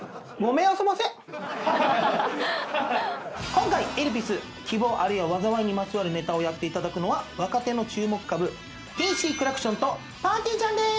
今回『エルピス−希望、あるいは災い−』にまつわるネタをやっていただくのは若手の注目株ＴＣクラクションとぱーてぃーちゃんです。